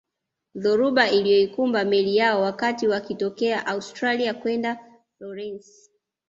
Dhoruba iliyoikumba meli yao wakati wakitokea Australia kwenda Lorence